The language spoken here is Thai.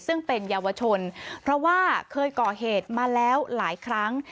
ซึ่งเป็นเยาวชนเพราะว่าเคยก่อเหตุมาแล้วหลายครั้ง